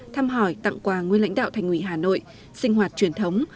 thăm hỏi tặng quà nguyên lãnh đạo thành ủy hà nội sinh hoạt truyền thống